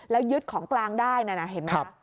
แล้วยึดของกลางได้นะเห็นไหมคะ